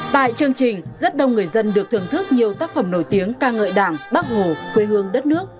tại chương trình rất đông người dân được thưởng thức nhiều tác phẩm nổi tiếng ca ngợi đảng bác hồ quê hương đất nước